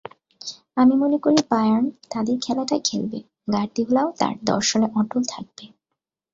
আমি মনে করি বায়ার্ন তাদের খেলাটাই খেলবে, গার্দিওলাও তাঁর দর্শনে অটল থাকবে।